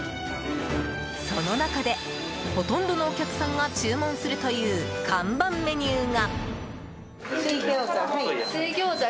その中で、ほとんどのお客さんが注文するという看板メニューが。